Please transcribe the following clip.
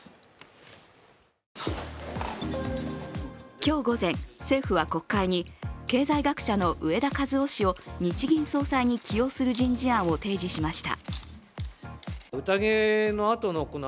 今日午前、政府は国会に経済学者の植田和男氏を日銀総裁に起用する人事案を提示しました。